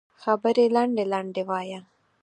خبرې لنډې لنډې وایه